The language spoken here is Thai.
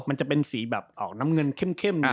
มันจะเป็นสีแบบออกน้ำเงินเข้ม